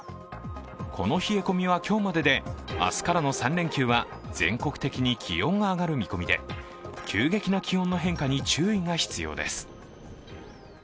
この冷え込みは今日までで明日からの３連休は全国的に気温が上がる見込みで、急激な気温の変化に注意が必要です。